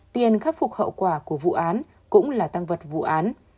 tiền khắc phục hậu quả của vụ án cũng là tăng vật vụ án